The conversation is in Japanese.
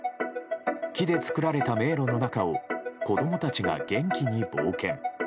木で作られた迷路の中を子供たちが元気に冒険。